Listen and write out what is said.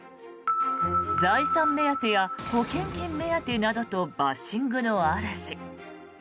財産目当てや保険金目当てなどとバッシングの嵐。